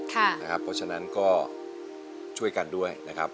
เพราะฉะนั้นก็ช่วยกันด้วยนะครับ